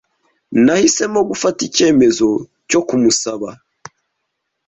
Nahisemo gufata icyemezo cyo kumusaba.